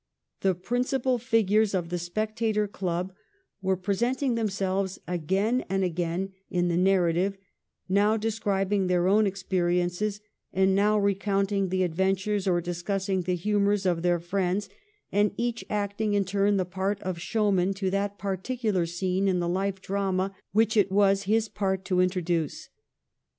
The principal figures of ' The Spectator ' Club were pre senting themselves again and again in the narrative, now describing their own experiences, and now re counting the adventures or discussing the humours of their friends, and each acting in turn the part of showman to that particular scene in the life drama which it was his part to introduce.